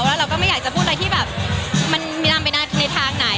แล้วเราก็ไม่อยากจะพูดอะไรที่แบบมันมีลำไปในทางไหน